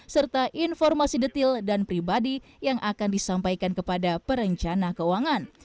serta informasi detil dan pribadi yang akan disampaikan kepada perencana keuangan